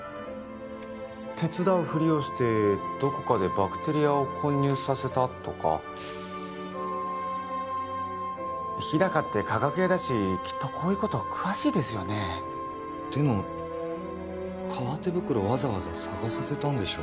手伝うふりをしてどこかでバクテリアを混入させたとか日高って化学屋だしきっとこういうこと詳しいですよねでも革手袋わざわざ捜させたんでしょ？